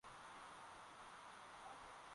siku ya tarehe sita inakumbukwa kwamba ni siku ambayo